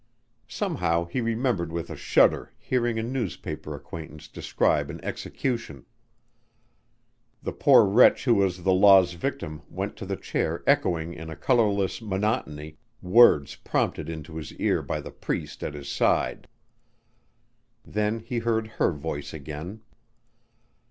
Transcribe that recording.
Somehow he remembered with a shudder hearing a newspaper acquaintance describe an execution. The poor wretch who was the law's victim went to the chair echoing in a colorless monotony words prompted into his ear by the priest at his side. Then he heard her voice again.